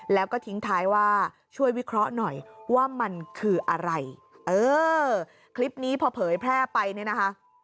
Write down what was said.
แล้วก็ทิ้งท้ายว่าช่วยวิเคราะห์หน่อยว่ามันคืออะไรเออคลิปนี้พอเผยแพร่ไปเนี่ยนะคะ